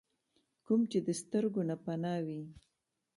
کوم چې د سترګو نه پناه وي ۔